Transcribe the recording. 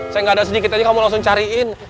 saya nggak ada sedikit aja kamu langsung cariin